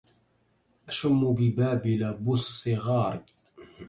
أشم ببابل بو الصغار